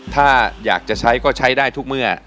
ถ้าอยากจะใช้ก็ใช้ได้ทุกเมื่อ